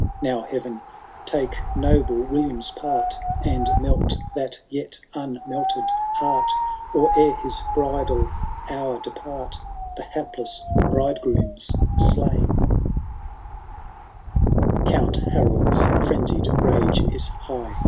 Now, Heaven ! take noble William's part. And melt that yet unmelted heart. Or, ere his bridal hour depart. The hapless bridegroom's slain t XVII. Count Harold'ft frenzied rage is high.